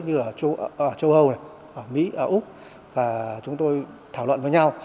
như ở châu âu mỹ úc và chúng tôi thảo luận với nhau